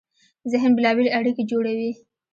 ذهن بېلابېلې اړیکې جوړوي.